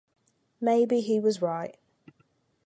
Maybe he was right.